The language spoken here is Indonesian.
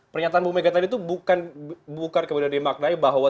pernyataan ibu megawati soekarnoputri tadi itu bukan kemudian dimaknai bahwa